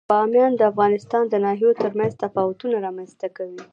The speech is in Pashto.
بامیان د افغانستان د ناحیو ترمنځ تفاوتونه رامنځ ته کوي.